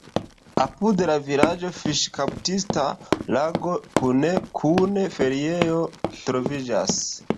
Apud la vilaĝo fiŝkaptista lago kune kun feriejo troviĝas.